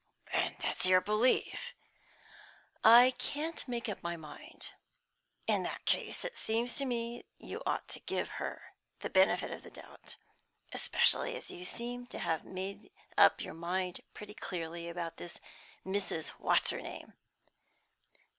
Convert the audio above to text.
"And what's your belief?" "I can't make up my mind." "In that case, it seems to me, you ought to give her the benefit of the doubt; especially as you seem to have made up your mind pretty clearly about this Mrs. What's her name."